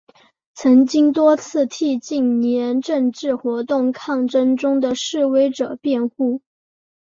曾经多次替近年政治活动抗争中的示威者辩护。